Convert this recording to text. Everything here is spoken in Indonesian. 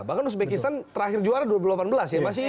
bahkan uzbekistan terakhir juara dua ribu delapan belas ya